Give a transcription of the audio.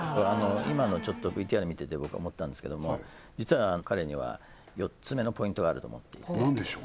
今のＶＴＲ見てて僕思ったんですけども実は彼には４つ目のポイントがあると思っていて何でしょう？